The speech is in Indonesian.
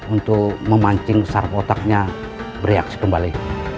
untuk memancing sarp otaknya bereaksi kembali